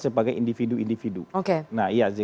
sebagai individu individu nah iya